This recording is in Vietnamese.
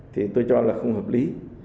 thì tôi cho là không hợp lý